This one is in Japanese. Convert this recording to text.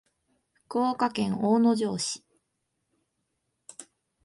福岡県大野城市